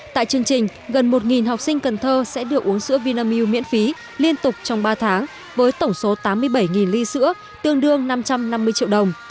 tại chương trình gần một học sinh cần thơ sẽ được uống sữa vinamil miễn phí liên tục trong ba tháng với tổng số tám mươi bảy ly sữa tương đương năm trăm năm mươi triệu đồng